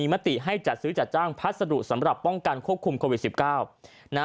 มติให้จัดซื้อจัดจ้างพัสดุสำหรับป้องกันควบคุมโควิด๑๙นะ